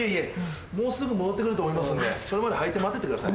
もうすぐ戻って来ると思いますんでそれまで履いて待っててください。